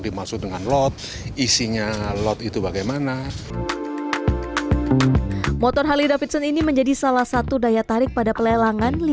isinya lot itu bagaimana motor harley davidson ini menjadi salah satu daya tarik pada pelelangan lima